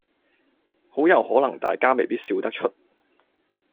好有可能大家未必笑得出